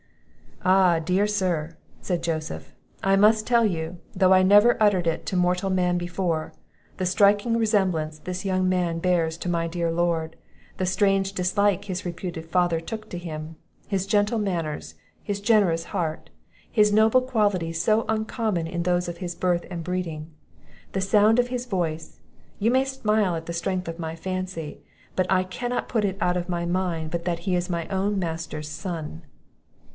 "Ah, dear Sir," said Joseph, "I must tell you, though I never uttered it to mortal man before; the striking resemblance this young man bears to my dear Lord, the strange dislike his reputed father took to him, his gentle manners, his generous heart, his noble qualities so uncommon in those of his birth and breeding, the sound of his voice you may smile at the strength of my fancy, but I cannot put it out of my mind but that he is my own master's son."